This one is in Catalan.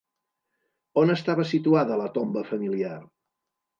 On estava situada la tomba familiar?